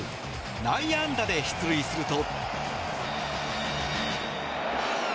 内野安打で出塁すると。